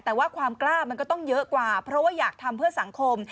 แต่ว่าความกล้ามันก็ต้องเยอะกว่าเพราะว่าอยากทำเพื่อสังคม